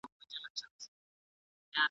زموږ د خپل تربور په وینو د زمان ژرنده چلیږي ,